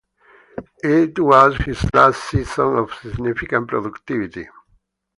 It was his last season of significant productivity.